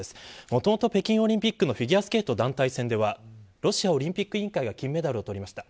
もともと北京オリンピックのフィギュアスケート団体戦ではロシアオリンピック委員会が金メダルを取りました。